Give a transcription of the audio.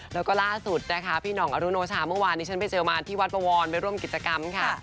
แล้วก็ล่าสุดนะคะพี่ห่องอรุโนชาเมื่อวานนี้ฉันไปเจอมาที่วัดบวรไปร่วมกิจกรรมค่ะ